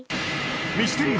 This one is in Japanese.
ミステリー